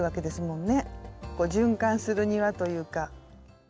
循環する庭というか。